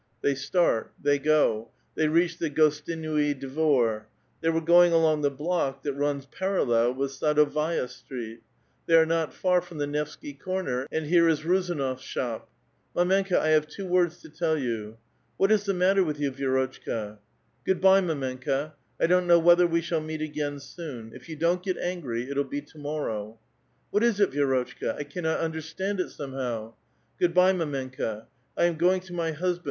X'Liey start ; they go. They reached the Gostinui Dvor. They were going along the block that runs parallel with ^adovaia Street ; they are not far from the Nevsky comer, fi 'icl here is Ruzanof's shop. ■ Jifdmenkd^ I have two words to ti41 you." *''' AVhat is the matter with vou, Vi^rotchka? "* Good by, mdmenka. I don't know whether we shall '^^^t; again soon. If you don't get augrv, it'll be to mor row." ,*■*■ AVhat is it, Vi^rotchka ? I cannot understand it, some p.^ '* Good by, mdmenka; I am going to my husband.